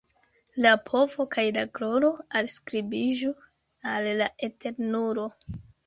La povo kaj la gloro alskribiĝu al la Eternulo.